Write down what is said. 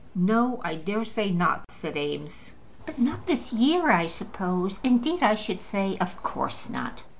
"No; I dare say not," said Eames. "But not this year, I suppose. Indeed, I should say, of course not."